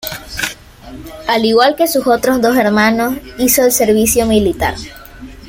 Al igual que sus otros dos hermanos, hizo el servicio militar.